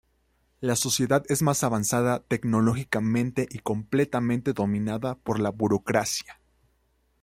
La sociedad es más avanzada tecnológicamente y completamente dominada por la burocracia.